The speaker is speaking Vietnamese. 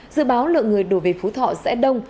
dự báo lượng người đổ về phú thọ sẽ đông